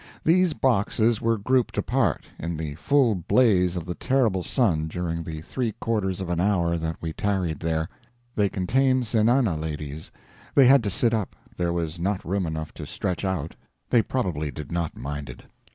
These boxes were grouped apart, in the full blaze of the terrible sun during the three quarters of an hour that we tarried there. They contained zenana ladies. They had to sit up; there was not room enough to stretch out. They probably did not mind it.